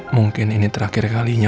mungkin ini terakhir kalinya